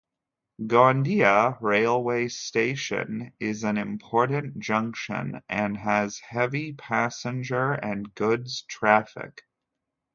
Gondia railway station is an important junction and has heavy passenger and goods traffic.